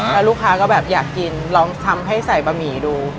แล้วลูกค้าก็แบบอยากกินลองทำให้ใส่บะหมี่ดู